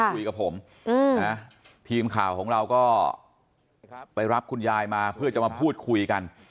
คุยกับผมนะทีมข่าวของเราก็ไปรับคุณยายมาเพื่อจะมาพูดคุยกัน